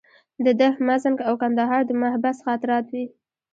د ده مزنګ او کندهار د محبس خاطرات وې.